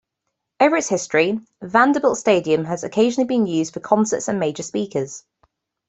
Over its history, Vanderbilt Stadium has occasionally been used for concerts and major speakers.